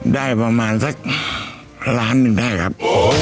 ได้ประมาณสักล้านหนึ่งได้ครับ